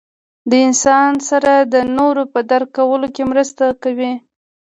له انسان سره د نورو په درک کولو کې مرسته کوي.